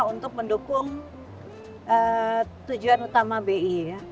untuk mendukung tujuan utama bi